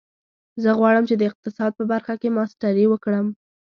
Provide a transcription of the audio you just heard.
زه غواړم چې د اقتصاد په برخه کې ماسټري وکړم